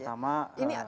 contoh yang pertama